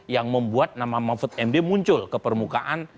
yang membuat nama mahfud md muncul ke permukaan